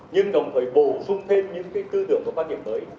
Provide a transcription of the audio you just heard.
nhưng đồng thời bổ sung thêm những tư tưởng và quan điểm mới